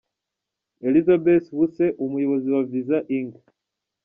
Elizabeth Buse, Umuyobozi wa Visa Inc.